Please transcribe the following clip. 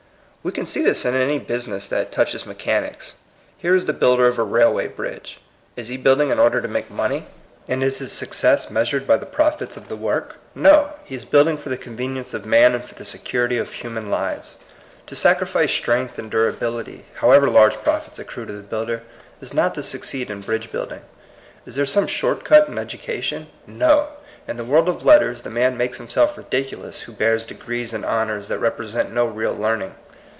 We can see this in any business that touches mechanics. Here is the builder of a railway bridge. Is he building in order to make money ? And is his success measured by the profits of the work ? No I He is building for the convenience of man and for the security of human lives. To sacrifice strength and durability, however large profits accrue to the builder, is not to succeed in bridge building. Is there some short cut in education? No I In the world of letters, the man makes himself ridiculous who bears de grees and honors that represent no real learning.